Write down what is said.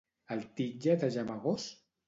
El titlla de gemegós?